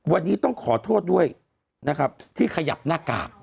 วันนี้ต้องขอโทษด้วยนะครับที่ขยับหน้ากาก